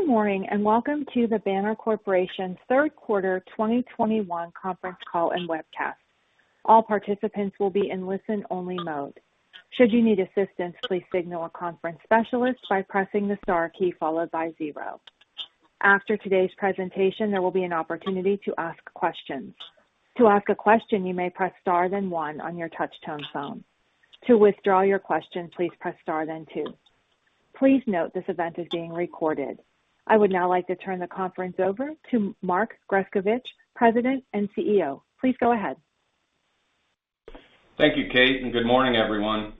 Good morning, and welcome to the Banner Corporation's Third Quarter 2021 Conference Call and Webcast. All participants would be in listen-only mode. Should you need assistance, please signal our conference specialist by pressing the star key followed by zero. After today's presentation, there will be an opportunity to ask questions. To ask a question you may press star then one on your touchtone phone. To withdraw you question, please press start then two. Please note that this event is being recorded. I would now like to turn the conference over to Mark Grescovich, President and CEO. Please go ahead. Thank you, Kate, and good morning, everyone.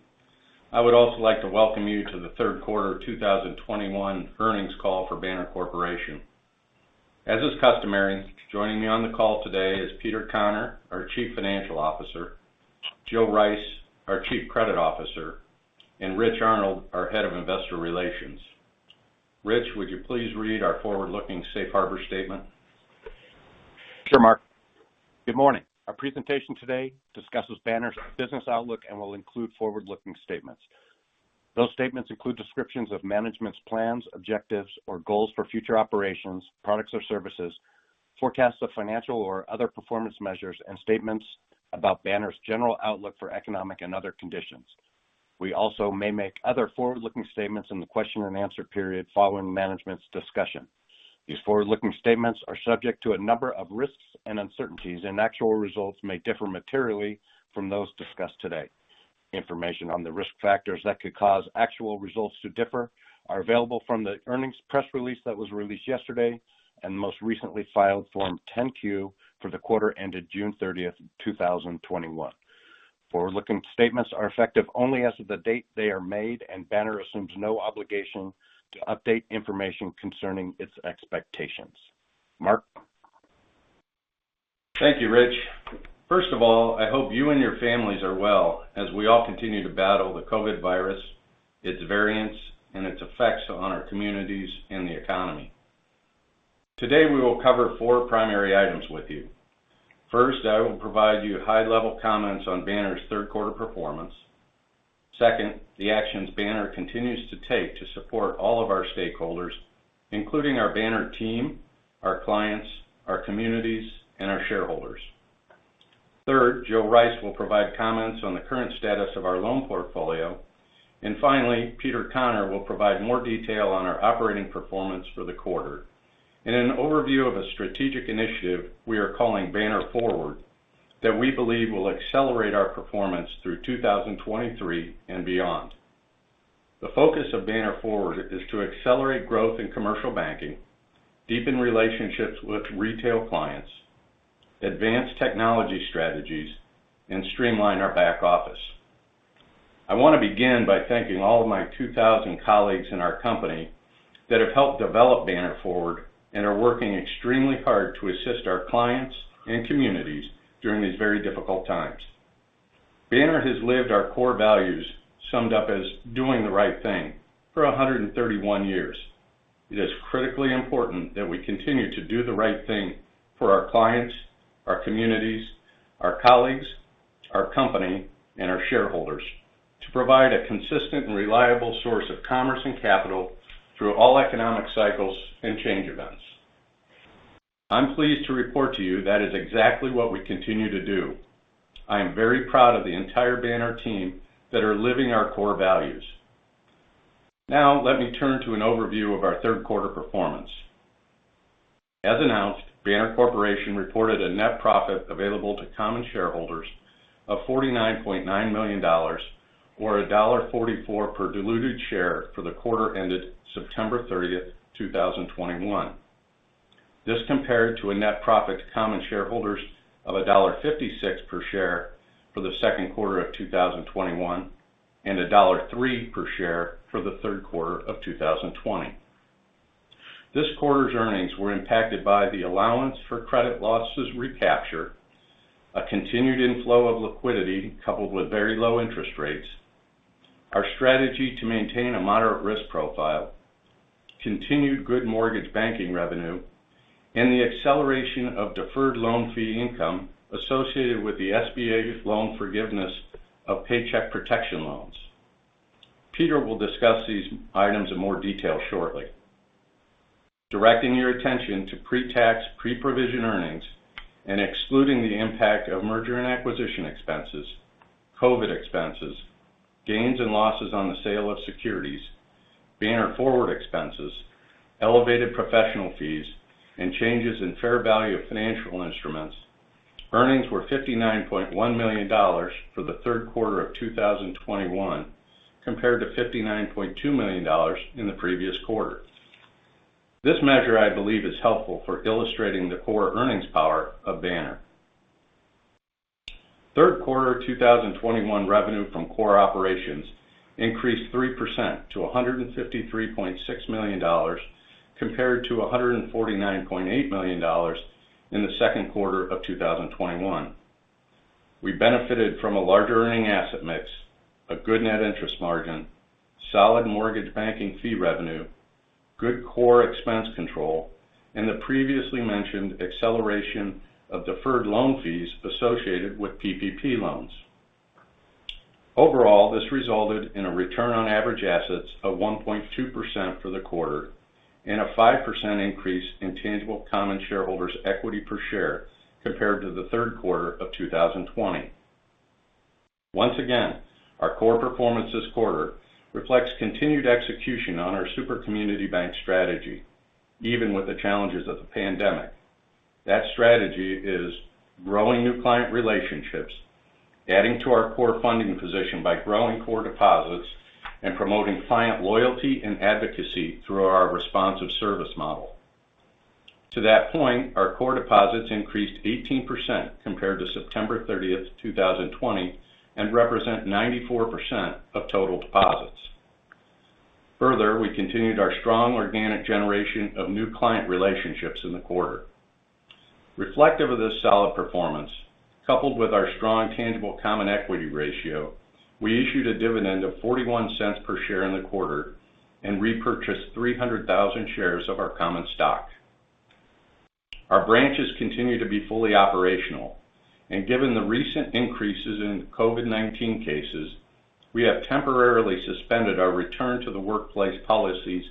I would also like to welcome you to the third quarter 2021 earnings call for Banner Corporation. As is customary, joining me on the call today is Peter Conner, our Chief Financial Officer, Jill Rice, our Chief Credit Officer, and Rich Arnold, our Head of Investor Relations. Rich, would you please read our forward-looking Safe Harbor statement? Sure, Mark. Good morning. Our presentation today discusses Banner's business outlook and will include forward-looking statements. Those statements include descriptions of management's plans, objectives, or goals for future operations, products or services, forecasts of financial or other performance measures, and statements about Banner's general outlook for economic and other conditions. We also may make other forward-looking statements in the question and answer period following management's discussion. These forward-looking statements are subject to a number of risks and uncertainties, and actual results may differ materially from those discussed today. Information on the risk factors that could cause actual results to differ are available from the earnings press release that was released yesterday, and most recently filed Form 10-Q for the quarter ended June 30th, 2021. Forward-looking statements are effective only as of the date they are made, and Banner assumes no obligation to update information concerning its expectations. Mark? Thank you, Rich. First of all, I hope you and your families are well, as we all continue to battle the COVID virus, its variants, and its effects on our communities and the economy. Today, we will cover four primary items with you. First, I will provide you high-level comments on Banner's third quarter performance. Second, the actions Banner continues to take to support all of our stakeholders, including our Banner team, our clients, our communities, and our shareholders. Third, Jill Rice will provide comments on the current status of our loan portfolio. Finally, Peter Conner will provide more detail on our operating performance for the quarter. In an overview of a strategic initiative we are calling Banner Forward, that we believe will accelerate our performance through 2023 and beyond. The focus of Banner Forward is to accelerate growth in commercial banking, deepen relationships with retail clients, advance technology strategies, and streamline our back office. I want to begin by thanking all of my 2,000 colleagues in our company that have helped develop Banner Forward and are working extremely hard to assist our clients and communities during these very difficult times. Banner has lived our core values, summed up as doing the right thing, for 131 years. It is critically important that we continue to do the right thing for our clients, our communities, our colleagues, our company, and our shareholders to provide a consistent and reliable source of commerce and capital through all economic cycles and change events. I'm pleased to report to you that is exactly what we continue to do. I am very proud of the entire Banner team that are living our core values. Let me turn to an overview of our third quarter performance. As announced, Banner Corporation reported a net profit available to common shareholders of $49.9 million, or $1.44 per diluted share for the quarter ended September 30th, 2021. This compared to a net profit to common shareholders of $1.56 per share for the second quarter of 2021, and $1.03 per share for the third quarter of 2020. This quarter's earnings were impacted by the allowance for credit losses recapture, a continued inflow of liquidity coupled with very low interest rates, our strategy to maintain a moderate risk profile, continued good mortgage banking revenue, and the acceleration of deferred loan fee income associated with the SBA loan forgiveness of Paycheck Protection loans. Peter will discuss these items in more detail shortly. Directing your attention to pre-tax, pre-provision earnings and excluding the impact of merger and acquisition expenses, COVID expenses, gains and losses on the sale of securities, Banner Forward expenses, elevated professional fees, and changes in fair value of financial instruments, earnings were $59.1 million for the third quarter of 2021 compared to $59.2 million in the previous quarter. This measure, I believe, is helpful for illustrating the core earnings power of Banner. Third quarter 2021 revenue from core operations increased 3% to $153.6 million compared to $149.8 million in the second quarter of 2021. We benefited from a larger earning asset mix, a good net interest margin, solid mortgage banking fee revenue, good core expense control, and the previously mentioned acceleration of deferred loan fees associated with PPP loans. Overall, this resulted in a return on average assets of 1.2% for the quarter and a 5% increase in tangible common shareholders equity per share compared to the third quarter of 2020. Once again, our core performance this quarter reflects continued execution on our super community bank strategy, even with the challenges of the pandemic. That strategy is growing new client relationships, adding to our core funding position by growing core deposits, and promoting client loyalty and advocacy through our responsive service model. To that point, our core deposits increased 18% compared to September 30th, 2020 and represent 94% of total deposits. We continued our strong organic generation of new client relationships in the quarter. Reflective of this solid performance, coupled with our strong tangible common equity ratio, we issued a dividend of $0.41 per share in the quarter and repurchased 300,000 shares of our common stock. Our branches continue to be fully operational. Given the recent increases in COVID-19 cases, we have temporarily suspended our return to the workplace policies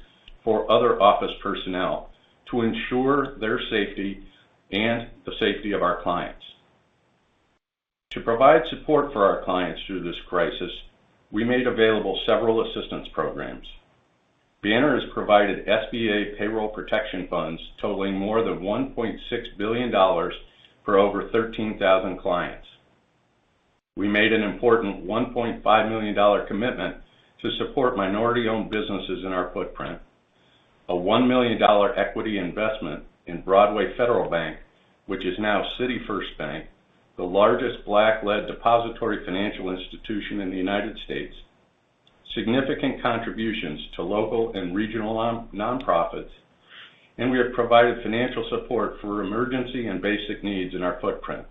for other office personnel to ensure their safety and the safety of our clients. To provide support for our clients through this crisis, we made available several assistance programs. Banner has provided SBA Paycheck Protection Program funds totaling more than $1.6 billion for over 13,000 clients. We made an important $1.5 million commitment to support minority-owned businesses in our footprint, a $1 million equity investment in Broadway Federal Bank, which is now City First Bank, the largest Black-led depository financial institution in the U.S., significant contributions to local and regional nonprofits, and we have provided financial support for emergency and basic needs in our footprint.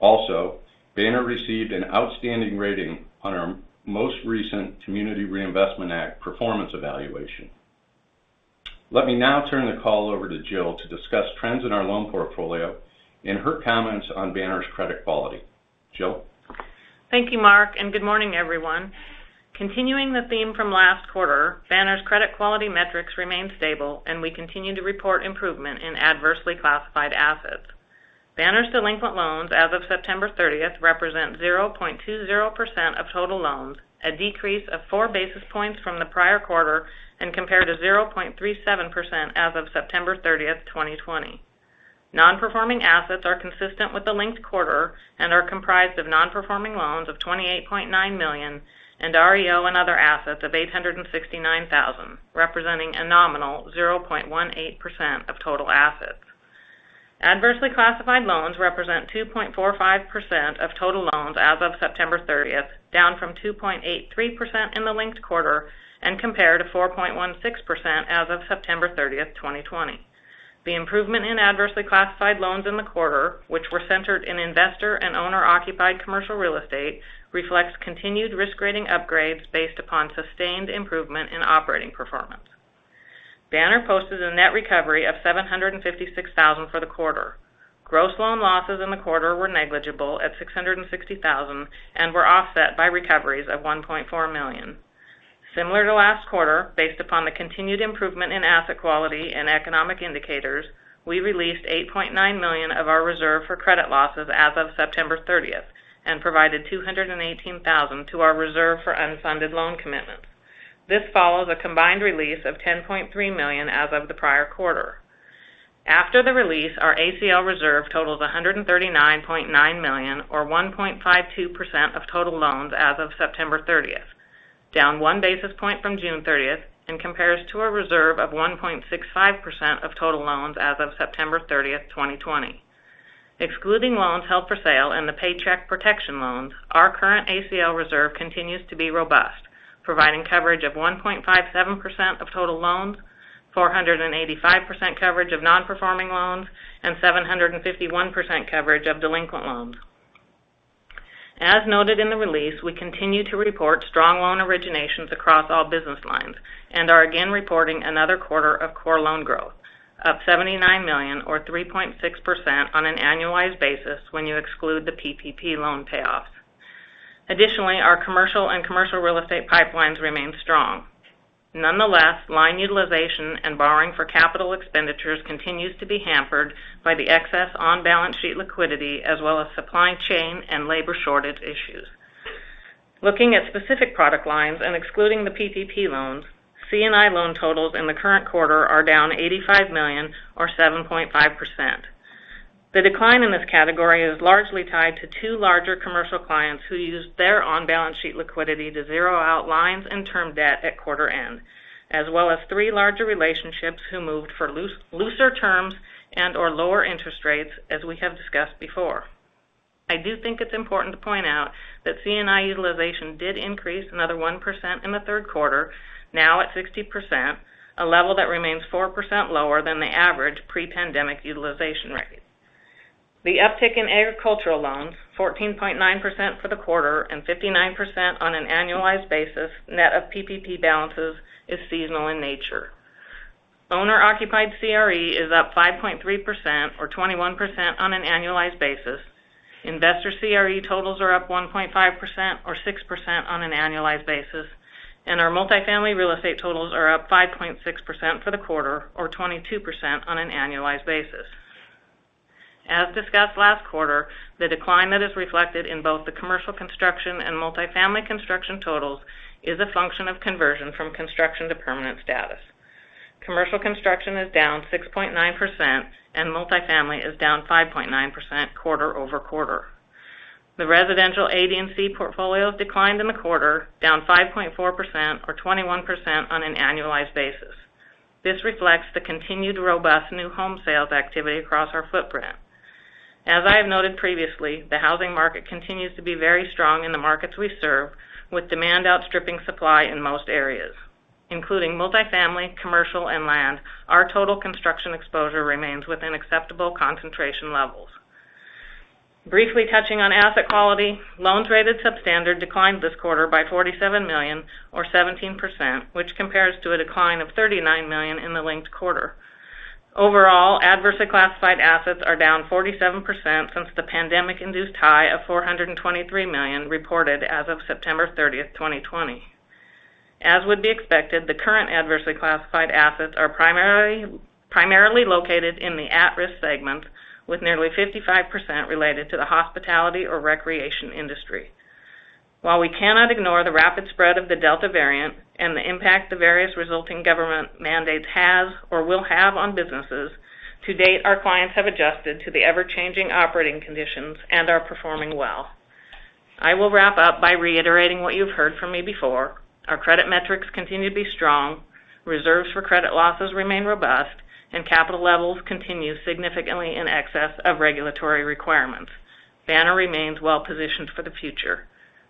Also, Banner received an outstanding rating on our most recent Community Reinvestment Act performance evaluation. Let me now turn the call over to Jill to discuss trends in our loan portfolio and her comments on Banner's credit quality. Jill? Thank you, Mark, and good morning, everyone. Continuing the theme from last quarter, Banner's credit quality metrics remain stable, and we continue to report improvement in adversely classified assets. Banner's delinquent loans as of September 30th represent 0.20% of total loans, a decrease of 4 basis points from the prior quarter and compared to 0.37% as of September 30th, 2020. Non-performing assets are consistent with the linked quarter and are comprised of non-performing loans of $28.9 million and REO and other assets of $869,000, representing a nominal 0.18% of total assets. Adversely classified loans represent 2.45% of total loans as of September 30th, down from 2.83% in the linked quarter and compared to 4.16% as of September 30th, 2020. The improvement in adversely classified loans in the quarter, which were centered in investor and owner-occupied commercial real estate, reflects continued risk rating upgrades based upon sustained improvement in operating performance. Banner posted a net recovery of $756,000 for the quarter. Gross loan losses in the quarter were negligible at $660,000 and were offset by recoveries of $1.4 million. Similar to last quarter, based upon the continued improvement in asset quality and economic indicators, we released $8.9 million of our reserve for credit losses as of September 30th and provided $218,000 to our reserve for unfunded loan commitments. This follows a combined release of $10.3 million as of the prior quarter. After the release, our ACL reserve totals $139.9 million, or 1.52% of total loans as of September 30th, down 1 basis point from June 30th, and compares to a reserve of 1.65% of total loans as of September 30th, 2020. Excluding loans held for sale and the Paycheck Protection loans, our current ACL reserve continues to be robust, providing coverage of 1.57% of total loans, 485% coverage of non-performing loans, and 751% coverage of delinquent loans. As noted in the release, we continue to report strong loan originations across all business lines and are again reporting another quarter of core loan growth, up $79 million or 3.6% on an annualized basis when you exclude the PPP loan payoffs. Our commercial and commercial real estate pipelines remain strong. Line utilization and borrowing for capital expenditures continues to be hampered by the excess on-balance sheet liquidity as well as supply chain and labor shortage issues. Looking at specific product lines and excluding the PPP loans, C&I loan totals in the current quarter are down $85 million or 7.5%. The decline in this category is largely tied to two larger commercial clients who used their on-balance sheet liquidity to zero out lines and term debt at quarter end, as well as tjree larger relationships who moved for looser terms and/or lower interest rates, as we have discussed before. I do think it is important to point out that C&I utilization did increase another 1% in the third quarter, now at 60%, a level that remains 4% lower than the average pre-pandemic utilization rate. The uptick in agricultural loans, 14.9% for the quarter and 59% on an annualized basis net of PPP balances, is seasonal in nature. Owner-occupied CRE is up 5.3%, or 21% on an annualized basis. Investor CRE totals are up 1.5%, or 6% on an annualized basis, and our multifamily real estate totals are up 5.6% for the quarter, or 22% on an annualized basis. As discussed last quarter, the decline that is reflected in both the commercial construction and multifamily construction totals is a function of conversion from construction to permanent status. Commercial construction is down 6.9%, multifamily is down 5.9% quarter-over-quarter. The residential AD&C portfolios declined in the quarter, down 5.4%, or 21% on an annualized basis. This reflects the continued robust new home sales activity across our footprint. As I have noted previously, the housing market continues to be very strong in the markets we serve, with demand outstripping supply in most areas. Including multifamily, commercial, and land, our total construction exposure remains within acceptable concentration levels. Briefly touching on asset quality, loans rated substandard declined this quarter by $47 million, or 17%, which compares to a decline of $39 million in the linked quarter. Overall, adversely classified assets are down 47% since the pandemic-induced high of $423 million reported as of September 30th, 2020. As would be expected, the current adversely classified assets are primarily located in the at-risk segment, with nearly 55% related to the hospitality or recreation industry. While we cannot ignore the rapid spread of the Delta variant and the impact the various resulting government mandates have or will have on businesses, to date, our clients have adjusted to the ever-changing operating conditions and are performing well. I will wrap up by reiterating what you've heard from me before. Our credit metrics continue to be strong, reserves for credit losses remain robust, and capital levels continue significantly in excess of regulatory requirements. Banner remains well-positioned for the future.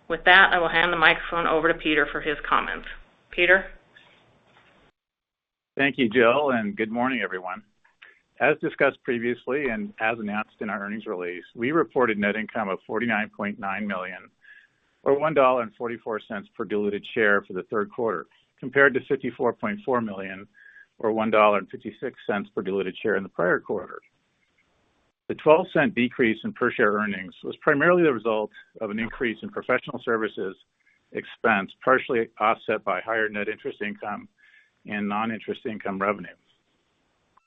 With that, I will hand the microphone over to Peter for his comments. Peter? Thank you, Jill, and good morning, everyone. As discussed previously and as announced in our earnings release, we reported net income of $49.9 million, or $1.44 per diluted share for the third quarter, compared to $54.4 million, or $1.56 per diluted share in the prior quarter. The $0.12 decrease in per-share earnings was primarily the result of an increase in professional services expense, partially offset by higher net interest income and non-interest income revenue.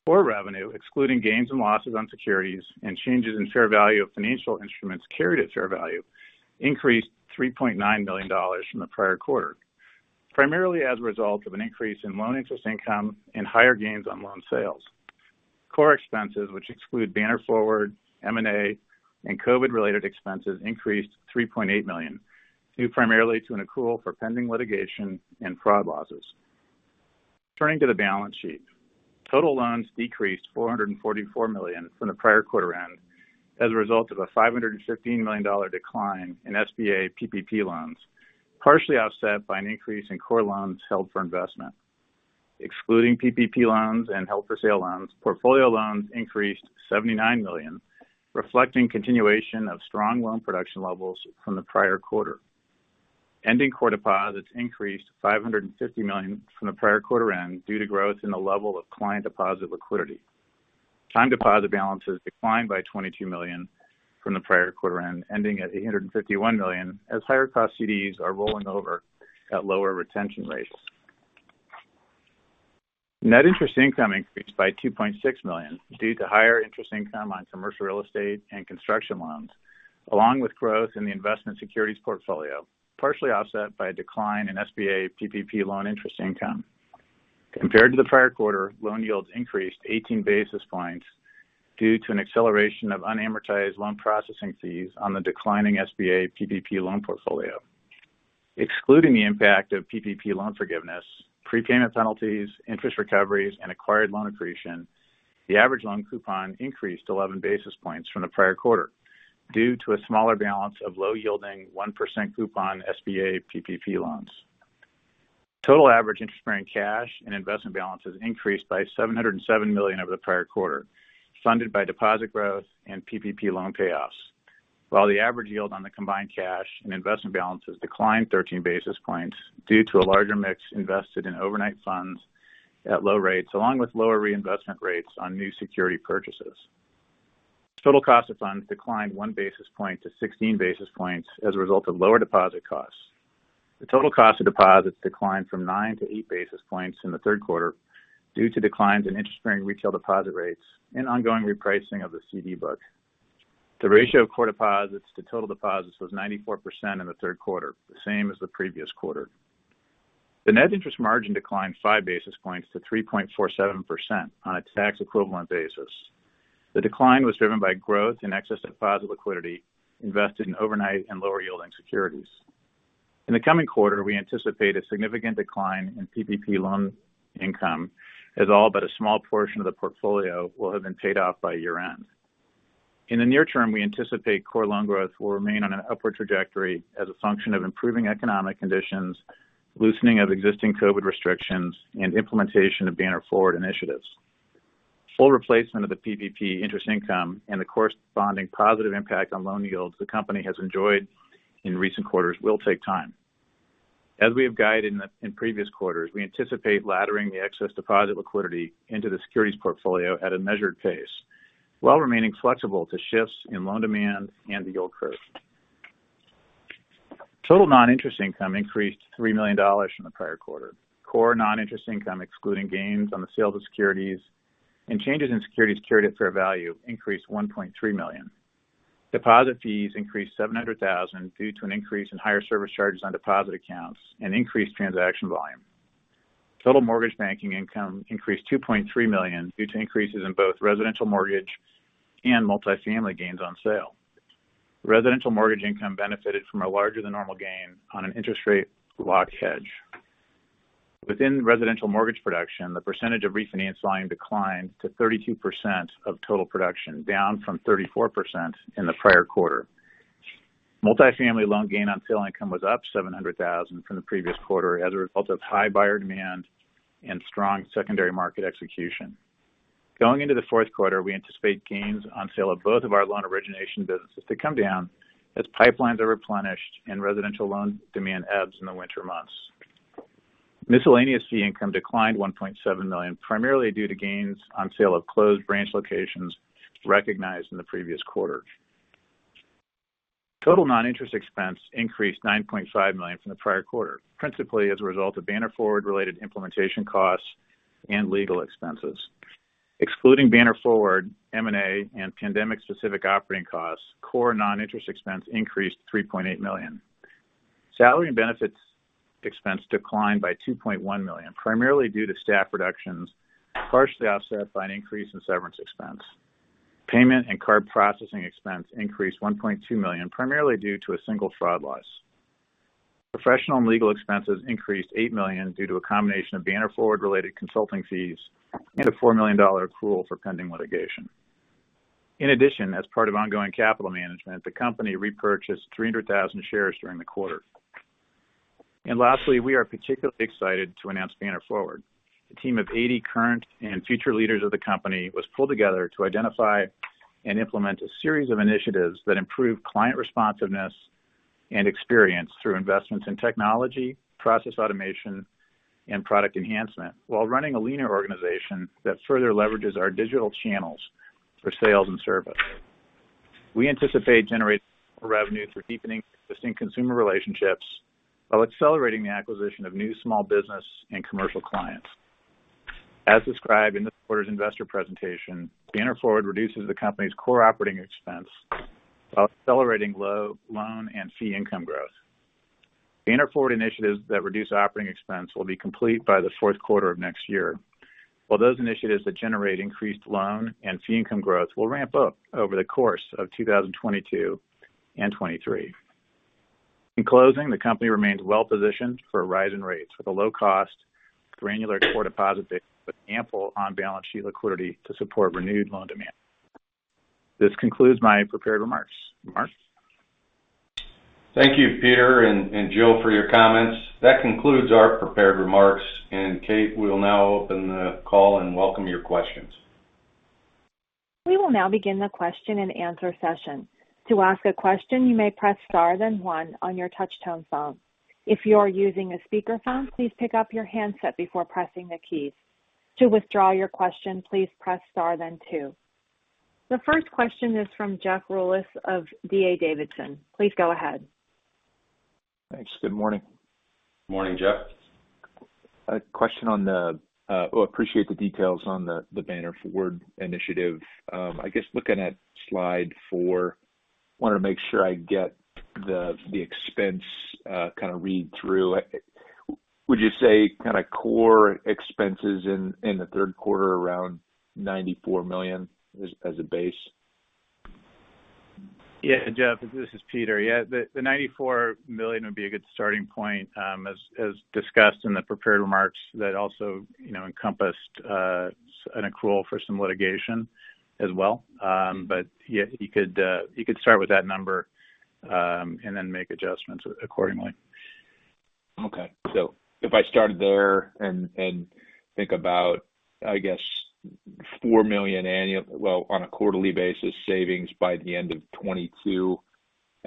Core revenue, excluding gains and losses on securities and changes in fair value of financial instruments carried at fair value, increased $3.9 million from the prior quarter, primarily as a result of an increase in loan interest income and higher gains on loan sales. Core expenses, which exclude Banner Forward, M&A, and COVID-related expenses, increased to $3.8 million, due primarily to an accrual for pending litigation and fraud losses. Turning to the balance sheet, total loans decreased $444 million from the prior quarter end as a result of a $515 million decline in SBA PPP loans, partially offset by an increase in core loans held for investment. Excluding PPP loans and held-for-sale loans, portfolio loans increased $79 million, reflecting continuation of strong loan production levels from the prior quarter. Ending core deposits increased $550 million from the prior quarter end due to growth in the level of client deposit liquidity. Time deposit balances declined by $22 million from the prior quarter end, ending at $851 million, as higher cost CDs are rolling over at lower retention rates. Net interest income increased by $2.6 million due to higher interest income on commercial real estate and construction loans, along with growth in the investment securities portfolio, partially offset by a decline in SBA PPP loan interest income. Compared to the prior quarter, loan yields increased 18 basis points due to an acceleration of unamortized loan processing fees on the declining SBA PPP loan portfolio. Excluding the impact of PPP loan forgiveness, prepayment penalties, interest recoveries, and acquired loan accretion, the average loan coupon increased 11 basis points from the prior quarter due to a smaller balance of low-yielding 1% coupon SBA PPP loans. Total average interest-bearing cash and investment balances increased by $707 million over the prior quarter, funded by deposit growth and PPP loan payoffs. While the average yield on the combined cash and investment balances declined 13 basis points due to a larger mix invested in overnight funds at low rates, along with lower reinvestment rates on new security purchases. Total cost of funds declined one basis point to 16 basis points as a result of lower deposit costs. The total cost of deposits declined from 9 to 8 basis points in the third quarter due to declines in interest-bearing retail deposit rates and ongoing repricing of the CD book. The ratio of core deposits to total deposits was 94% in the third quarter, the same as the previous quarter. The net interest margin declined 5 basis points to 3.47% on a tax-equivalent basis. The decline was driven by growth in excess deposit liquidity invested in overnight and lower yielding securities. In the coming quarter, we anticipate a significant decline in PPP loan income as all but a small portion of the portfolio will have been paid off by year-end. In the near term, we anticipate core loan growth will remain on an upward trajectory as a function of improving economic conditions, loosening of existing COVID restrictions, and implementation of Banner Forward initiatives. Full replacement of the PPP interest income and the corresponding positive impact on loan yields the company has enjoyed in recent quarters will take time. As we have guided in previous quarters, we anticipate laddering the excess deposit liquidity into the securities portfolio at a measured pace, while remaining flexible to shifts in loan demand and the yield curve. Total non-interest income increased to $3 million from the prior quarter. Core non-interest income, excluding gains on the sale of securities and changes in securities carried at fair value, increased $1.3 million. Deposit fees increased $700,000 due to an increase in higher service charges on deposit accounts and increased transaction volume. Total mortgage banking income increased $2.3 million due to increases in both residential mortgage and multifamily gains on sale. Residential mortgage income benefited from a larger than normal gain on an interest rate lock hedge. Within residential mortgage production, the percentage of refinancing declined to 32% of total production, down from 34% in the prior quarter. Multifamily loan gain on sale income was up $700,000 from the previous quarter as a result of high buyer demand and strong secondary market execution. Going into the fourth quarter, we anticipate gains on sale of both of our loan origination businesses to come down as pipelines are replenished and residential loan demand ebbs in the winter months. Miscellaneous fee income declined $1.7 million, primarily due to gains on sale of closed branch locations recognized in the previous quarter. Total non-interest expense increased $9.5 million from the prior quarter, principally as a result of Banner Forward related implementation costs and legal expenses. Excluding Banner Forward, M&A, and pandemic specific operating costs, core non-interest expense increased $3.8 million. Salary and benefits expense declined by $2.1 million, primarily due to staff reductions, partially offset by an increase in severance expense. Payment and card processing expense increased $1.2 million, primarily due to a single fraud loss. Professional and legal expenses increased $8 million due to a combination of Banner Forward related consulting fees and a $4 million accrual for pending litigation. In addition, as part of ongoing capital management, the company repurchased 300,000 shares during the quarter. Lastly, we are particularly excited to announce Banner Forward. A team of 80 current and future leaders of the company was pulled together to identify and implement a series of initiatives that improve client responsiveness and experience through investments in technology, process automation, and product enhancement while running a leaner organization that further leverages our digital channels for sales and service. We anticipate generating revenue through deepening existing consumer relationships while accelerating the acquisition of new small business and commercial clients. As described in this quarter's investor presentation, Banner Forward reduces the company's core operating expense while accelerating loan and fee income growth. Banner Forward initiatives that reduce operating expense will be complete by the fourth quarter of next year, while those initiatives that generate increased loan and fee income growth will ramp up over the course of 2022 and 2023. In closing, the company remains well positioned for a rise in rates with a low cost, granular core deposit base with ample on-balance-sheet liquidity to support renewed loan demand. This concludes my prepared remarks. Mark? Thank you, Peter and Jill, for your comments. That concludes our prepared remarks. Kate, we'll now open the call and welcome your questions. We will now begin the question-and-answer session. To ask a question, you may press star, then one on your touchtone phone. If you are using a speakerphone, please pick up your handset before pressing the keys. To withdraw your question, please press star then two. The first question is from Jeff Rulis of D.A. Davidson. Please go ahead. Thanks. Good morning. Morning, Jeff. Appreciate the details on the Banner Forward initiative. I guess looking at slide four, wanted to make sure I get the expense kind of read through. Would you say kind of core expenses in the third quarter around $94 million as a base? Yeah, Jeff, this is Peter. Yeah, the $94 million would be a good starting point. As discussed in the prepared remarks, that also encompassed an accrual for some litigation as well. Yeah, you could start with that number, and then make adjustments accordingly. If I started there and think about, I guess, $4 million on a quarterly basis savings by the end of 2022,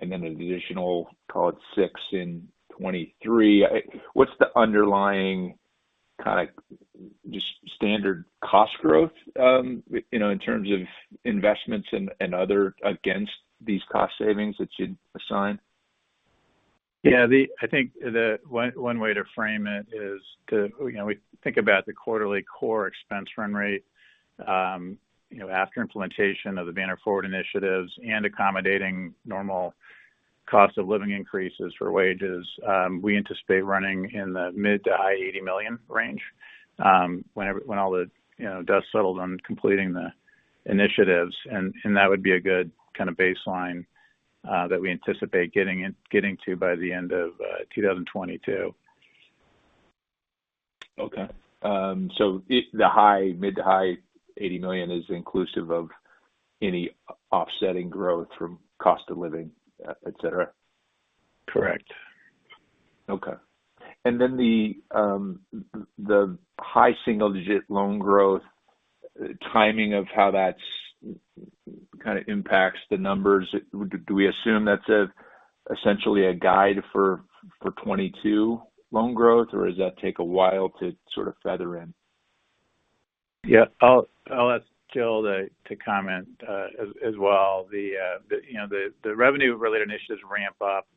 and then an additional, call it $6 million in 2023. What's the underlying kind of just standard cost growth in terms of investments and other against these cost savings that you'd assign? Yeah. I think one way to frame it is, we think about the quarterly core expense run rate after implementation of the Banner Forward initiatives and accommodating normal cost of living increases for wages. We anticipate running in the mid to high $80 million range when all the dust settles on completing the initiatives. That would be a good kind of baseline that we anticipate getting to by the end of 2022. Okay. The mid to high $80 million is inclusive of any offsetting growth from cost of living, et cetera? Correct. Okay. The high single-digit loan growth timing of how that kind of impacts the numbers, do we assume that's essentially a guide for 2022 loan growth, or does that take a while to sort of feather in? Yeah. I'll ask Jill to comment as well. The revenue-related initiatives ramp up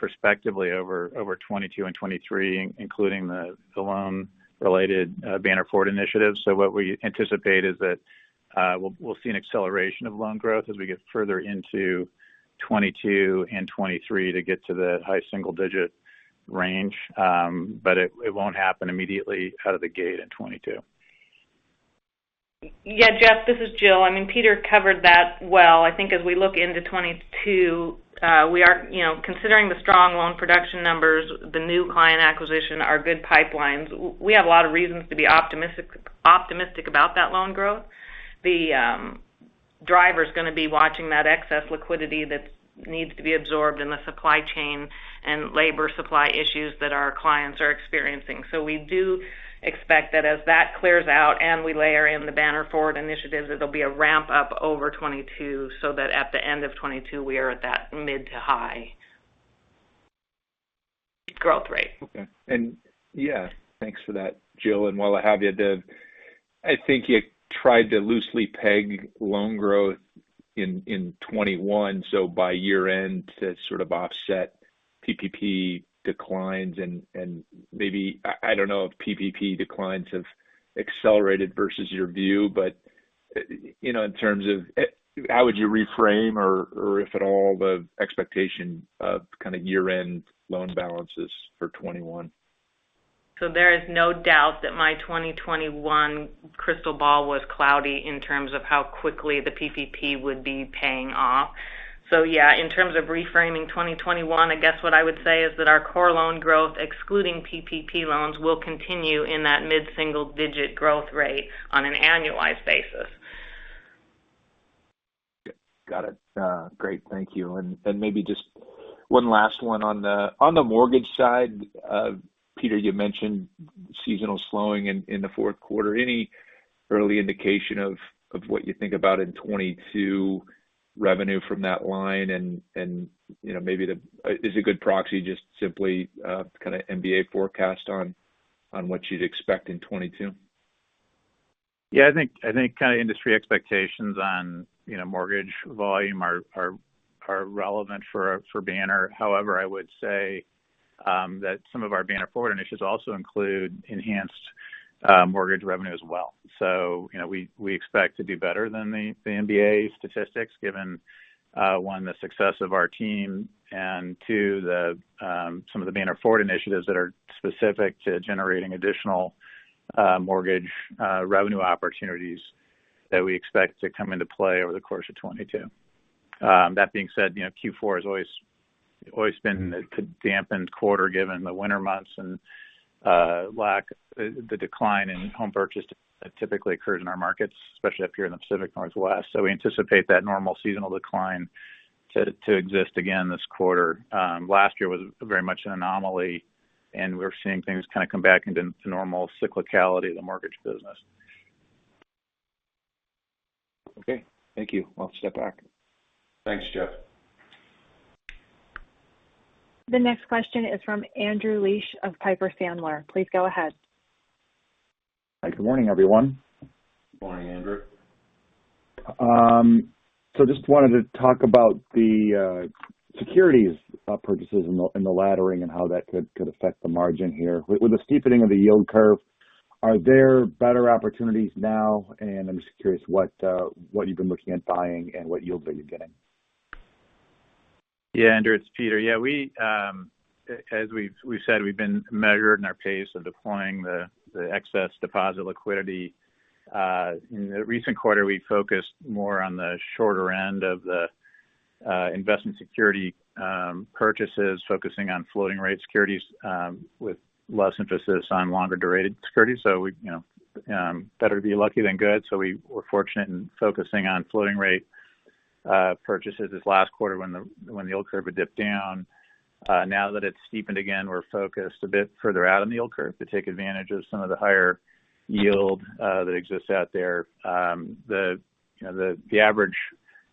perspectively over 2022 and 2023, including the loan-related Banner Forward initiatives. What we anticipate is that we'll see an acceleration of loan growth as we get further into 2022 and 2023 to get to the high single-digit range. It won't happen immediately out of the gate in 2022. Yeah, Jeff, this is Jill. Peter covered that well. I think as we look into 2022, considering the strong loan production numbers, the new client acquisition, our good pipelines, we have a lot of reasons to be optimistic about that loan growth. The driver's going to be watching that excess liquidity that needs to be absorbed in the supply chain and labor supply issues that our clients are experiencing. We do expect that as that clears out and we layer in the Banner Forward initiatives, it'll be a ramp up over 2022, so that at the end of 2022, we are at that mid to high growth rate. Okay. Yeah, thanks for that, Jill. While I have you, I think you tried to loosely peg loan growth in 2021, so by year-end to sort of offset PPP declines and maybe, I don't know if PPP declines have accelerated versus your view. In terms of how would you reframe or, if at all, the expectation of kind of year-end loan balances for 2021? There is no doubt that my 2021 crystal ball was cloudy in terms of how quickly the PPP would be paying off. Yeah, in terms of reframing 2021, I guess what I would say is that our core loan growth, excluding PPP loans, will continue in that mid-single-digit growth rate on an annualized basis. Got it. Great. Thank you. Maybe just one last one. On the mortgage side, Peter, you mentioned seasonal slowing in the fourth quarter. Any early indication of what you think about in 2022 revenue from that line? Maybe is a good proxy just simply kind of MBA forecast on what you'd expect in 2022? Yeah. I think kind of industry expectations on mortgage volume are relevant for Banner. I would say that some of our Banner Forward initiatives also include enhanced mortgage revenue as well. We expect to do better than the MBA statistics given, one, the success of our team, and two, some of the Banner Forward initiatives that are specific to generating additional mortgage revenue opportunities that we expect to come into play over the course of 2022. That being said, Q4 has always been a dampened quarter given the winter months and the decline in home purchases that typically occurs in our markets, especially up here in the Pacific Northwest. We anticipate that normal seasonal decline to exist again this quarter. Last year was very much an anomaly, and we're seeing things kind of come back into the normal cyclicality of the mortgage business. Okay. Thank you. I'll step back. Thanks, Jeff. The next question is from Andrew Liesch of Piper Sandler. Please go ahead. Hi. Good morning, everyone. Good morning, Andrew. Just wanted to talk about the securities purchases and the laddering and how that could affect the margin here. With the steepening of the yield curve, are there better opportunities now? I'm just curious what you've been looking at buying and what yields are you getting? Yeah, Andrew, it's Peter. As we've said, we've been measured in our pace of deploying the excess deposit liquidity. In the recent quarter, we focused more on the shorter end of the investment security purchases, focusing on floating rate securities with less emphasis on longer-durated securities. We better be lucky than good. We were fortunate in focusing on floating rate purchases this last quarter when the yield curve had dipped down. Now that it's steepened again, we're focused a bit further out on the yield curve to take advantage of some of the higher yield that exists out there. The average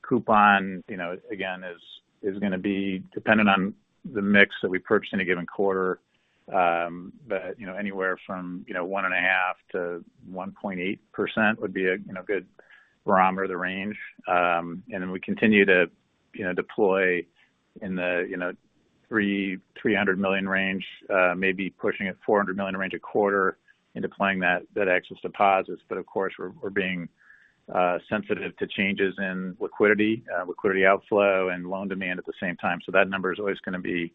coupon, again, is going to be dependent on the mix that we purchase in a given quarter. Anywhere from 1.5% to 1.8% would be a good barometer of the range. We continue to deploy in the $300 million range, maybe pushing a $400 million range a quarter in deploying that excess deposits. Of course, we're being sensitive to changes in liquidity outflow and loan demand at the same time. That number is always going to be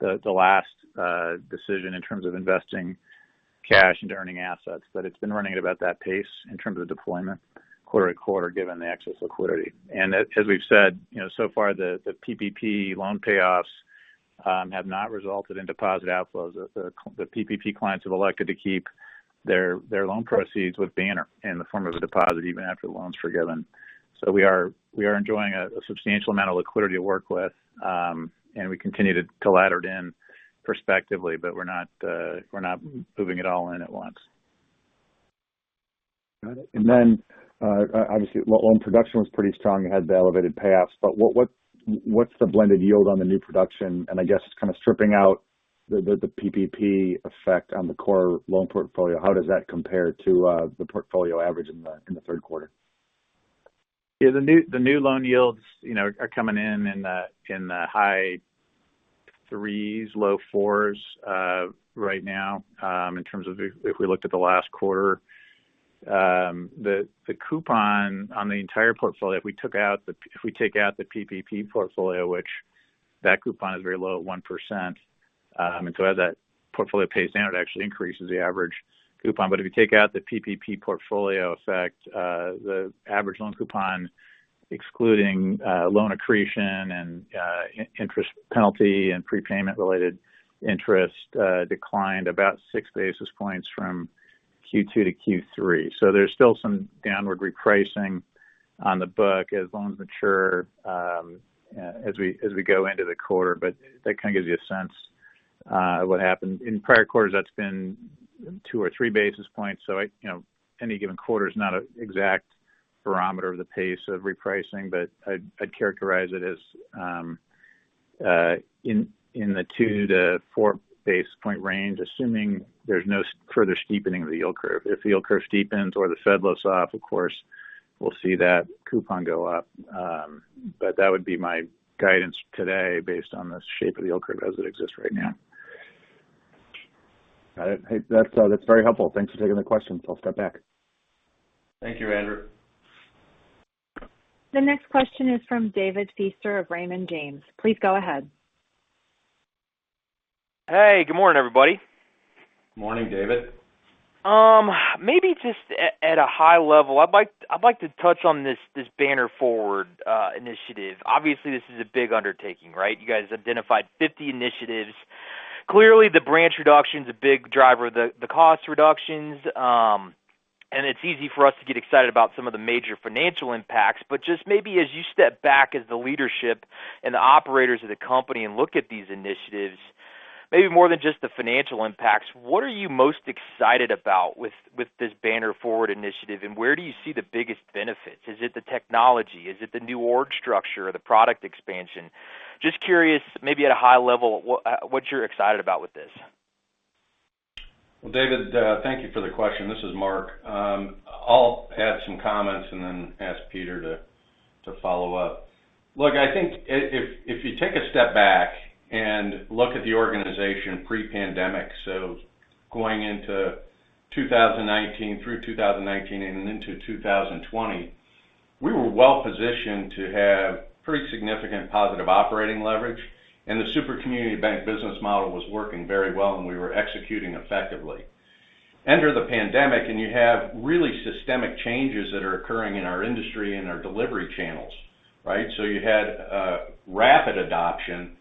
the last decision in terms of investing cash into earning assets. It's been running at about that pace in terms of deployment quarter-on-quarter, given the excess liquidity. As we've said, so far the PPP loan payoffs have not resulted in deposit outflows. The PPP clients have elected to keep their loan proceeds with Banner in the form of a deposit even after the loan's forgiven. We are enjoying a substantial amount of liquidity to work with, and we continue to ladder it in perspectively, but we're not moving it all in at once. Got it. Obviously, loan production was pretty strong. It had the elevated payoffs. What's the blended yield on the new production? I guess kind of stripping out the PPP effect on the core loan portfolio, how does that compare to the portfolio average in the third quarter? Yeah. The new loan yields are coming in in the high threes, low fours right now. In terms of if we looked at the last quarter, the coupon on the entire portfolio, if we take out the PPP portfolio, which that coupon is very low at 1%, as that portfolio pays down, it actually increases the average coupon. If you take out the PPP portfolio effect, the average loan coupon, excluding loan accretion and interest penalty and prepayment-related interest, declined about 6 basis points from Q2 to Q3. There's still some downward repricing on the book as loans mature as we go into the quarter. That kind of gives you a sense of what happened. In prior quarters, that's been 2 or 3 basis points. Any given quarter is not an exact barometer of the pace of repricing, but I'd characterize it as in the 2 to 4 basis point range, assuming there's no further steepening of the yield curve. If the yield curve steepens or the Fed lets off, of course, we'll see that coupon go up. That would be my guidance today based on the shape of the yield curve as it exists right now. Got it. Hey, that's very helpful. Thanks for taking the questions. I'll step back. Thank you, Andrew. The next question is from David Feaster of Raymond James. Please go ahead. Hey, good morning, everybody. Good morning, David. Maybe just at a high level, I'd like to touch on this Banner Forward initiative. Obviously, this is a big undertaking, right? You guys identified 50 initiatives. Clearly, the branch reduction is a big driver of the cost reductions. It's easy for us to get excited about some of the major financial impacts. Just maybe as you step back as the leadership and the operators of the company and look at these initiatives, maybe more than just the financial impacts, what are you most excited about with this Banner Forward initiative, and where do you see the biggest benefits? Is it the technology? Is it the new org structure or the product expansion? Just curious, maybe at a high level, what you're excited about with this? David, thank you for the question. This is Mark. I'll add some comments and then ask Peter to follow-up. I think if you take a step back and look at the organization pre-pandemic, so going into 2019, through 2019 and into 2020, we were well-positioned to have pretty significant positive operating leverage. The super community bank business model was working very well, and we were executing effectively. Enter the pandemic, you have really systemic changes that are occurring in our industry and our delivery channels, right? You had a rapid adoption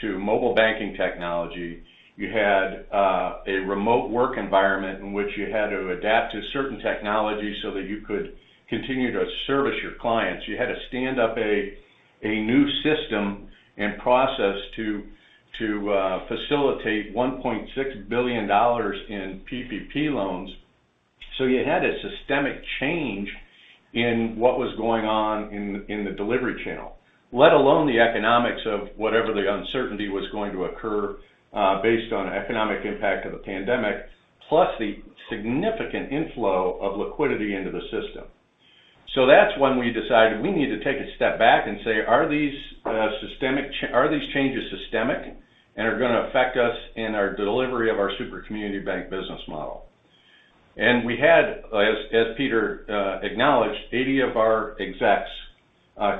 to mobile banking technology. You had a remote work environment in which you had to adapt to certain technologies so that you could continue to service your clients. You had to stand up a new system and process to facilitate $1.6 billion in PPP loans. You had a systemic change in what was going on in the delivery channel. Let alone the economics of whatever the uncertainty was going to occur based on economic impact of the pandemic, plus the significant inflow of liquidity into the system. That's when we decided we need to take a step back and say, "Are these changes systemic and are going to affect us in our delivery of our super community bank business model?" We had, as Peter acknowledged, 80 of our execs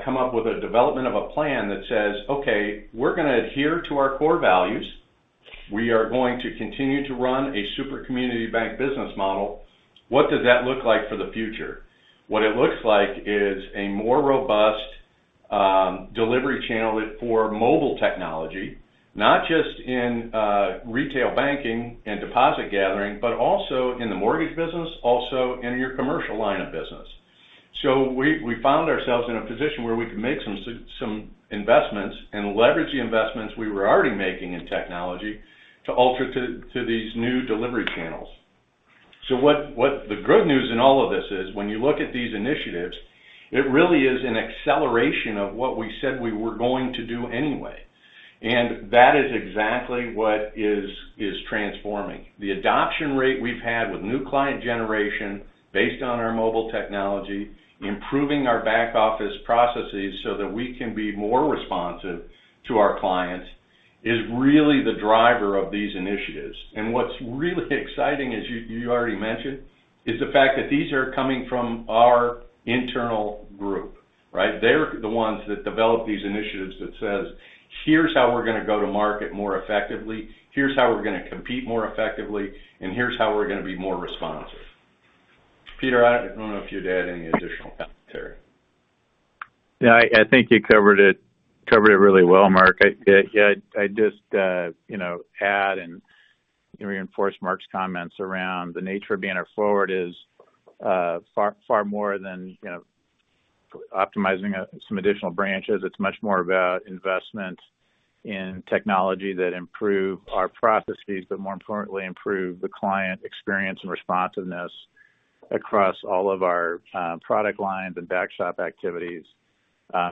come up with a development of a plan that says, "Okay, we're going to adhere to our core values. We are going to continue to run a super community bank business model. What does that look like for the future? What it looks like is a more robust delivery channel for mobile technology, not just in retail banking and deposit gathering, but also in the mortgage business, also in your commercial line of business. We found ourselves in a position where we could make some investments and leverage the investments we were already making in technology to alter to these new delivery channels. What the good news in all of this is, when you look at these initiatives, it really is an acceleration of what we said we were going to do anyway. That is exactly what is transforming. The adoption rate we've had with new client generation based on our mobile technology, improving our back-office processes so that we can be more responsive to our clients, is really the driver of these initiatives. What's really exciting, as you already mentioned, is the fact that these are coming from our internal group, right? They're the ones that develop these initiatives that says, here's how we're going to go to market more effectively, here's how we're going to compete more effectively, and here's how we're going to be more responsive. Peter, I don't know if you'd add any additional commentary. I think you covered it really well, Mark. I'd just add and reinforce Mark's comments around the nature of Banner Forward is far more than optimizing some additional branches. It's much more about investment in technology that improve our processes, but more importantly, improve the client experience and responsiveness across all of our product lines and back shop activities.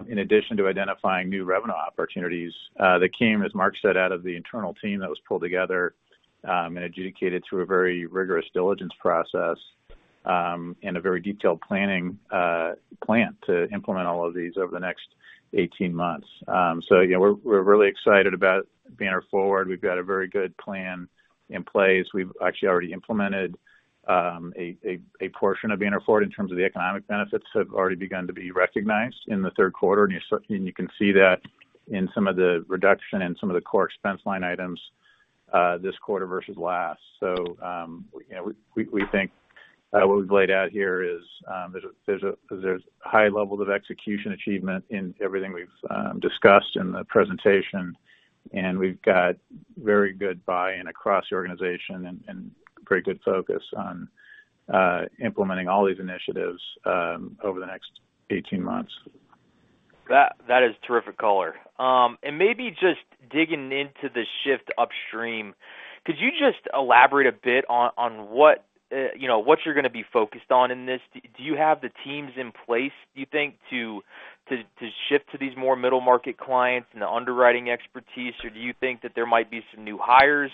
In addition to identifying new revenue opportunities that came, as Mark said, out of the internal team that was pulled together and adjudicated through a very rigorous diligence process, and a very detailed planning plan to implement all of these over the next 18 months. We're really excited about Banner Forward. We've got a very good plan in place. We've actually already implemented a portion of Banner Forward in terms of the economic benefits have already begun to be recognized in the third quarter. You can see that in some of the reduction in some of the core expense line items this quarter versus last. We think what we've laid out here is there's high levels of execution achievement in everything we've discussed in the presentation, and we've got very good buy-in across the organization and pretty good focus on implementing all these initiatives over the next 18 months. That is terrific color. Maybe just digging into the shift upstream, could you just elaborate a bit on what you're going to be focused on in this? Do you have the teams in place, do you think, to shift to these more middle-market clients and the underwriting expertise, or do you think that there might be some new hires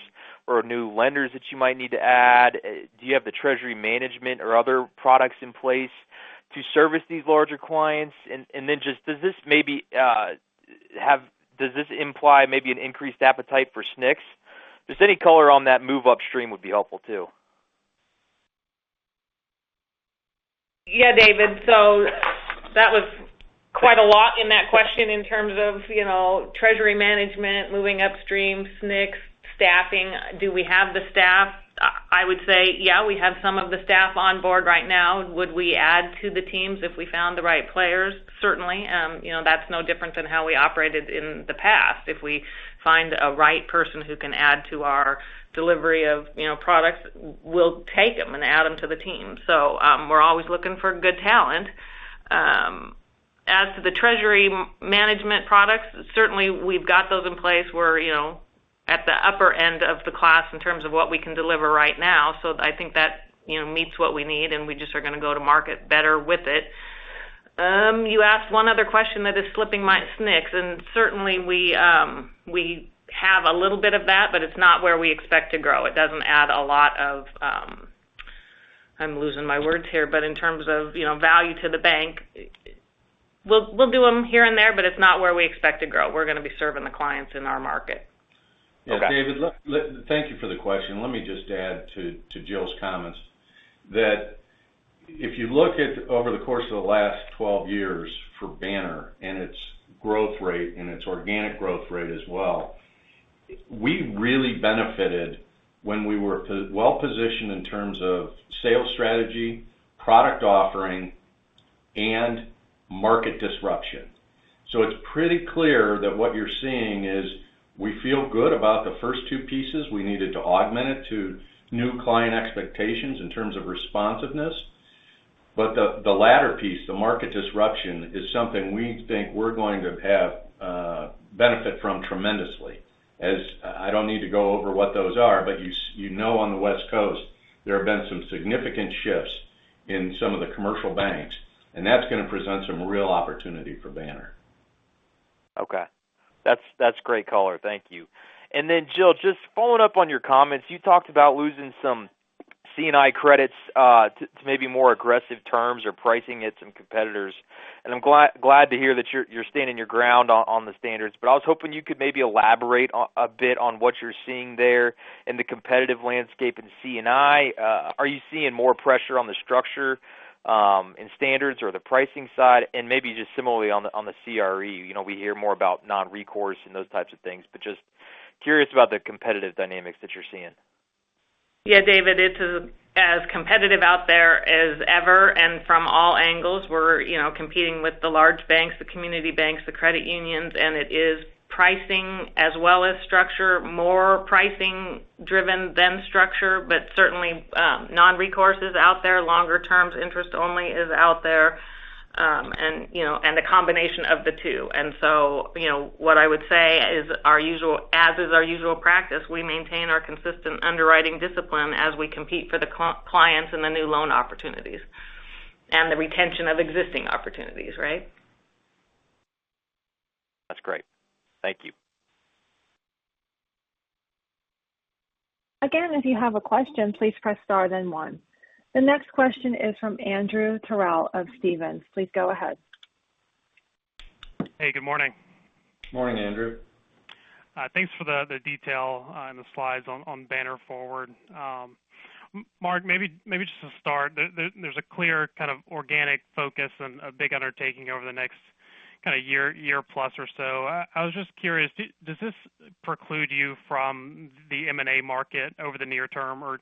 or new lenders that you might need to add? Do you have the treasury management or other products in place to service these larger clients? Then does this imply maybe an increased appetite for SNCs? Just any color on that move upstream would be helpful too. Yeah, David. That was quite a lot in that question in terms of treasury management, moving upstream, SNCs, staffing. Do we have the staff? I would say, yeah, we have some of the staff on board right now. Would we add to the teams if we found the right players? Certainly. That's no different than how we operated in the past. If we find a right person who can add to our delivery of products, we'll take them and add them to the team. We're always looking for good talent. As to the treasury management products, certainly we've got those in place. We're at the upper end of the class in terms of what we can deliver right now. I think that meets what we need, and we just are going to go to market better with it. You asked one other question that is slipping my mind. SNCs, and certainly, we have a little bit of that, but it's not where we expect to grow. It doesn't add a lot of I'm losing my words here, but in terms of value to the bank. We'll do them here and there, but it's not where we expect to grow. We're going to be serving the clients in our market. Okay. David, thank you for the question. Let me just add to Jill's comments. That if you look at over the course of the last 12 years for Banner and its growth rate and its organic growth rate as well, we really benefited when we were well-positioned in terms of sales strategy, product offering, and market disruption. It's pretty clear that what you're seeing is we feel good about the first two pieces. We needed to augment it to new client expectations in terms of responsiveness. The latter piece, the market disruption, is something we think we're going to benefit from tremendously. I don't need to go over what those are, but you know on the West Coast, there have been some significant shifts in some of the commercial banks, and that's going to present some real opportunity for Banner. Okay. That's great color. Thank you. Jill, just following up on your comments. You talked about losing some C&I credits to maybe more aggressive terms or pricing at some competitors, and I'm glad to hear that you're standing your ground on the standards. I was hoping you could maybe elaborate a bit on what you're seeing there in the competitive landscape in C&I. Are you seeing more pressure on the structure in standards or the pricing side? Maybe just similarly on the CRE. We hear more about non-recourse and those types of things, but just curious about the competitive dynamics that you're seeing. Yeah, David, it's as competitive out there as ever and from all angles. We're competing with the large banks, the community banks, the credit unions, and it is pricing as well as structure, more pricing driven than structure, but certainly, non-recourse is out there. Longer terms interest only is out there, and the combination of the two. What I would say as is our usual practice, we maintain our consistent underwriting discipline as we compete for the clients and the new loan opportunities, and the retention of existing opportunities, right? That's great. Thank you. Again if you have a question, please press star then one. The next question is from Andrew Terrell of Stephens. Please go ahead. Hey, good morning. Morning, Andrew. Thanks for the detail on the slides on Banner Forward. Mark, maybe just to start, there's a clear kind of organic focus and a big undertaking over the next kind of year-plus or so. I was just curious, does this preclude you from the M&A market over the near term or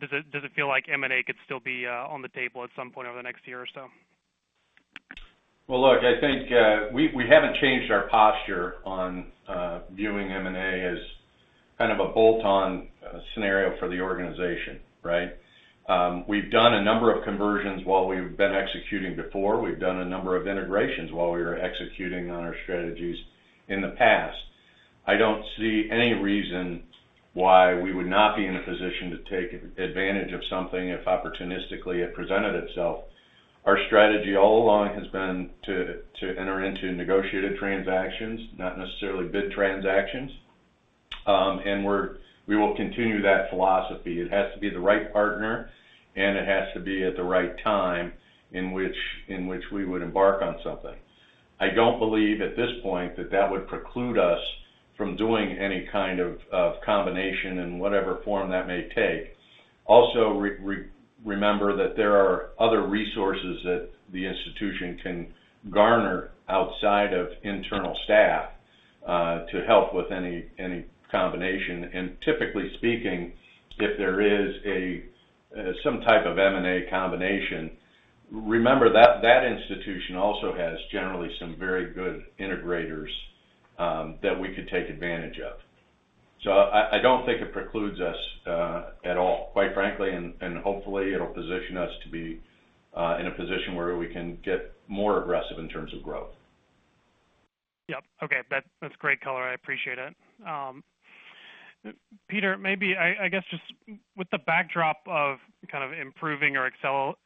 does it feel like M&A could still be on the table at some point over the next year or so? Well, look, I think we haven't changed our posture on viewing M&A as kind of a bolt-on scenario for the organization. Right? We've done a number of conversions while we've been executing before. We've done a number of integrations while we were executing on our strategies in the past. I don't see any reason why we would not be in a position to take advantage of something if opportunistically it presented itself. Our strategy all along has been to enter into negotiated transactions, not necessarily bid transactions. We will continue that philosophy. It has to be the right partner, and it has to be at the right time in which we would embark on something. I don't believe at this point that that would preclude us from doing any kind of combination in whatever form that may take. Remember that there are other resources that the institution can garner outside of internal staff to help with any combination. Typically speaking, if there is some type of M&A combination, remember that that institution also has generally some very good integrators that we could take advantage of. I don't think it precludes us at all, quite frankly, and hopefully it'll position us to be in a position where we can get more aggressive in terms of growth. Yep. Okay. That's great color. I appreciate it. Peter, maybe, I guess just with the backdrop of kind of improving or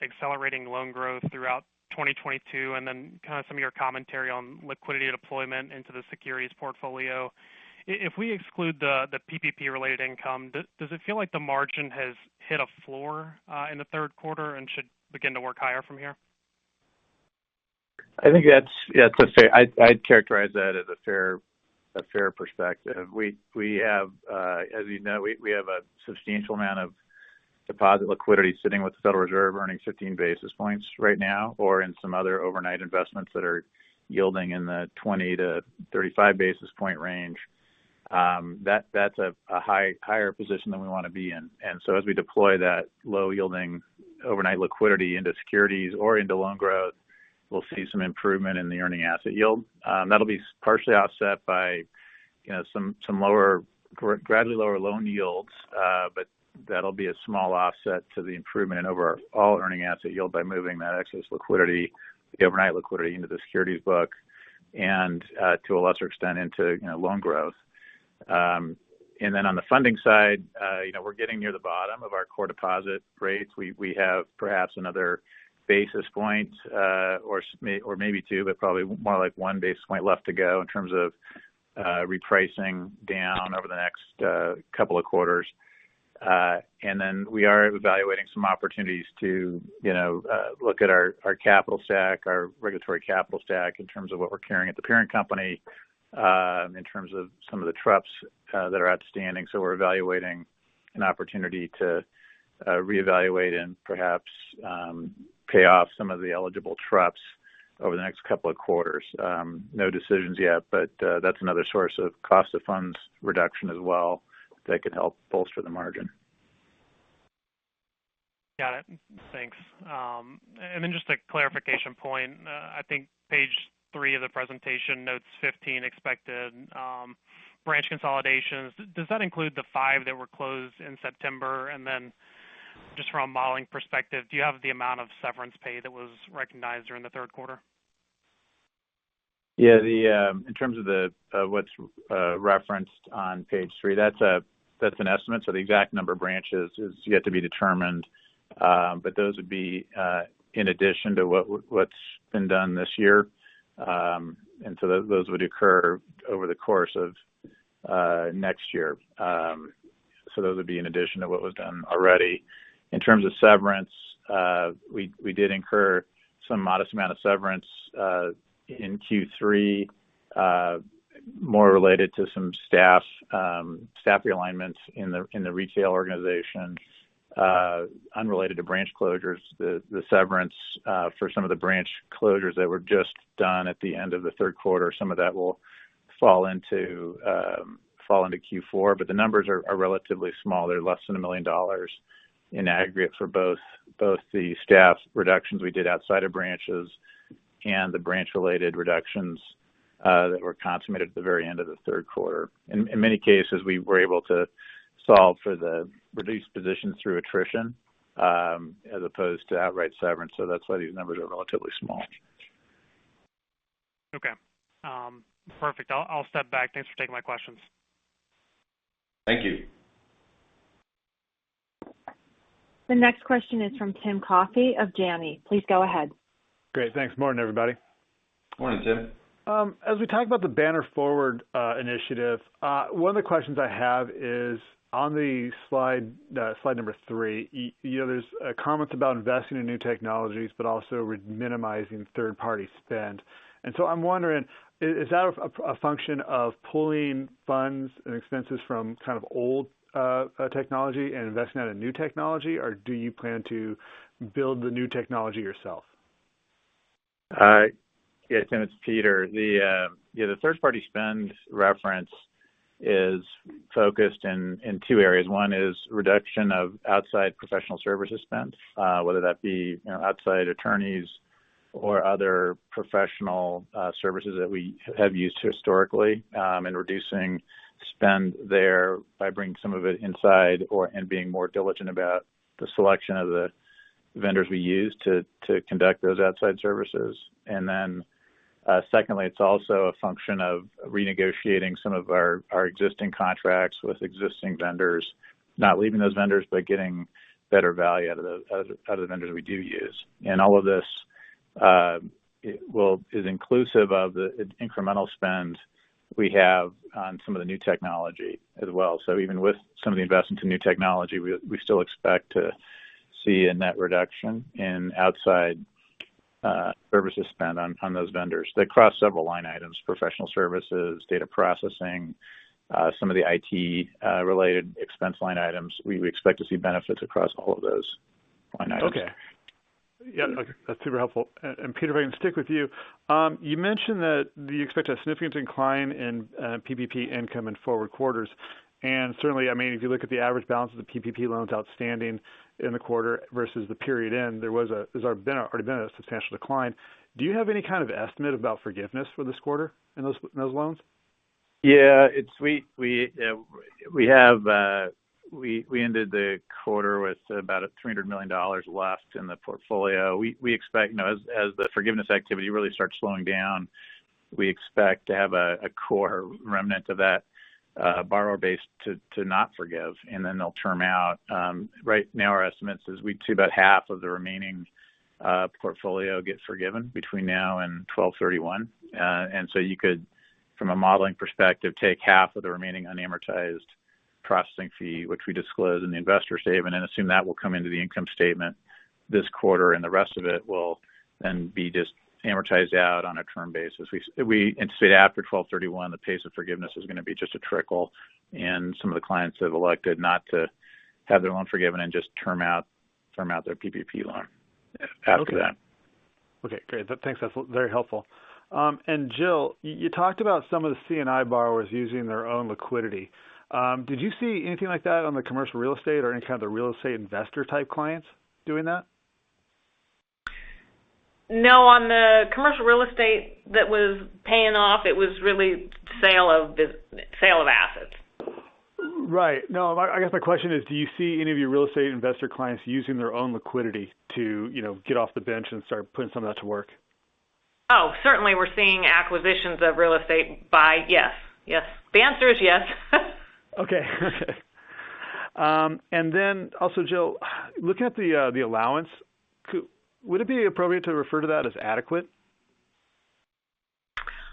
accelerating loan growth throughout 2022 and then kind of some of your commentary on liquidity deployment into the securities portfolio. If we exclude the PPP-related income, does it feel like the margin has hit a floor in the third quarter and should begin to work higher from here? I think that's fair. I'd characterize that as a fair perspective. As you know, we have a substantial amount of deposit liquidity sitting with the Federal Reserve earning 15 basis points right now, or in some other overnight investments that are yielding in the 20 to 35 basis point range. That's a higher position than we want to be in. As we deploy that low-yielding overnight liquidity into securities or into loan growth, we'll see some improvement in the earning asset yield. That'll be partially offset by some gradually lower loan yields. That'll be a small offset to the improvement over all earning asset yield by moving that excess liquidity, the overnight liquidity, into the securities book and, to a lesser extent, into loan growth. Then on the funding side, we're getting near the bottom of our core deposit rates. We have perhaps another basis point, or maybe 2, but probably more like 1 basis point left to go in terms of repricing down over the next couple of quarters. Then we are evaluating some opportunities to look at our capital stack, our regulatory capital stack in terms of what we're carrying at the parent company, in terms of some of the TruPS that are outstanding. So we're evaluating an opportunity to reevaluate and perhaps pay off some of the eligible TruPS over the next couple of quarters. No decisions yet, but that's another source of cost of funds reduction as well that could help bolster the margin. Got it. Thanks. Just a clarification point. I think page three of the presentation, notes 15 expected branch consolidations. Does that include the five that were closed in September? Just from a modeling perspective, do you have the amount of severance pay that was recognized during the third quarter? In terms of what's referenced on page three, that's an estimate. The exact number of branches is yet to be determined. Those would be in addition to what's been done this year. Those would occur over the course of next year. Those would be in addition to what was done already. In terms of severance, we did incur some modest amount of severance in Q3, more related to some staff realignments in the retail organization, unrelated to branch closures. The severance for some of the branch closures that were just done at the end of the third quarter, some of that will fall into Q4. The numbers are relatively small. They're less than $1 million in aggregate for both the staff reductions we did outside of branches and the branch-related reductions that were consummated at the very end of the third quarter. In many cases, we were able to solve for the reduced positions through attrition, as opposed to outright severance. That's why these numbers are relatively small. Okay. Perfect. I'll step back. Thanks for taking my questions. Thank you. The next question is from Tim Coffey of Janney. Please go ahead. Great. Thanks. Morning, everybody. Morning, Tim. As we talk about the Banner Forward initiative, one of the questions I have is on the slide number three. There's comments about investing in new technologies, but also minimizing third-party spend. I'm wondering, is that a function of pulling funds and expenses from kind of old technology and investing that in new technology? Do you plan to build the new technology yourself? Hi. Yeah, Tim, it's Peter. The third party spend reference is focused in two areas. One is reduction of outside professional services spend, whether that be outside attorneys or other professional services that we have used historically, and reducing spend there by bringing some of it inside or/and being more diligent about the selection of the vendors we use to conduct those outside services. Secondly, it's also a function of renegotiating some of our existing contracts with existing vendors. Not leaving those vendors, but getting better value out of the vendors we do use. All of this is inclusive of the incremental spend we have on some of the new technology as well. Even with some of the investment to new technology, we still expect to see a net reduction in outside services spend on those vendors. They cross several line items, professional services, data processing, some of the IT-related expense line items. We expect to see benefits across all of those line items. Okay. Yeah. Okay. That's super helpful. Peter, if I can stick with you. You mentioned that you expect a significant incline in PPP income in forward quarters, and certainly, if you look at the average balance of the PPP loans outstanding in the quarter versus the period end, there's already been a substantial decline. Do you have any kind of estimate about forgiveness for this quarter in those loans? We ended the quarter with about $300 million left in the portfolio. As the forgiveness activity really starts slowing down, we expect to have a core remnant of that borrower base to not forgive, and then they'll term out. Right now, our estimate says we'd see about half of the remaining portfolio get forgiven between now and 12/31. You could, from a modeling perspective, take half of the remaining unamortized processing fee, which we disclose in the investor statement, and assume that will come into the income statement this quarter, and the rest of it will then be just amortized out on a term basis. We anticipate after 12/31, the pace of forgiveness is going to be just a trickle, and some of the clients have elected not to have their loan forgiven and just term out their PPP loan after that. Okay. Great. Thanks. That's very helpful. Jill, you talked about some of the C&I borrowers using their own liquidity. Did you see anything like that on the commercial real estate or any kind of the real estate investor type clients doing that? No. On the commercial real estate that was paying off, it was really sale of assets. Right. No, I guess my question is, do you see any of your real estate investor clients using their own liquidity to get off the bench and start putting some of that to work? Oh, certainly we're seeing acquisitions of real estate. Yes. The answer is yes. Okay. Then also, Jill, looking at the allowance, would it be appropriate to refer to that as adequate?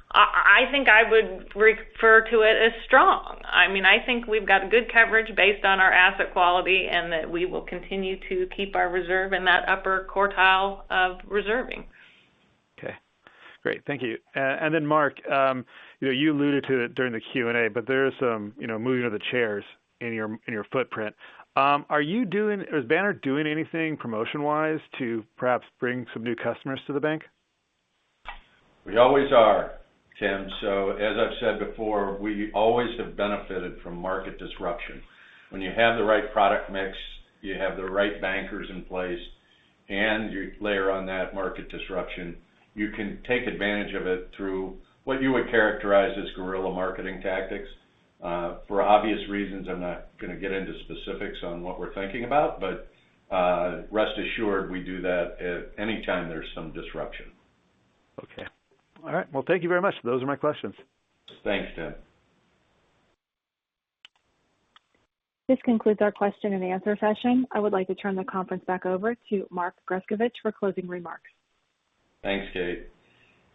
I think I would refer to it as strong. I think we've got good coverage based on our asset quality, and that we will continue to keep our reserve in that upper quartile of reserving. Okay. Great. Thank you. Mark, you alluded to it during the Q&A, but there's some moving of the chairs in your footprint. Is Banner doing anything promotion-wise to perhaps bring some new customers to the bank? We always are, Tim. As I've said before, we always have benefited from market disruption. When you have the right product mix, you have the right bankers in place, and you layer on that market disruption, you can take advantage of it through what you would characterize as guerrilla marketing tactics. For obvious reasons, I'm not going to get into specifics on what we're thinking about, but rest assured we do that any time there's some disruption. Okay. All right. Well, thank you very much. Those are my questions. Thanks, Tim. This concludes our question-and-answer session. I would like to turn the conference back over to Mark Grescovich for closing remarks. Thanks, Kate.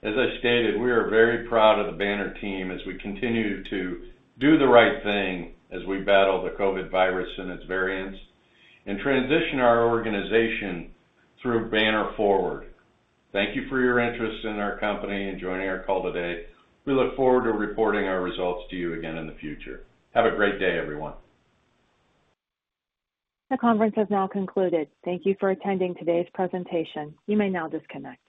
As I stated, we are very proud of the Banner team as we continue to do the right thing as we battle the COVID virus and its variants and transition our organization through Banner Forward. Thank you for your interest in our company and joining our call today. We look forward to reporting our results to you again in the future. Have a great day, everyone. The conference has now concluded. Thank you for attending today's presentation. You may now disconnect.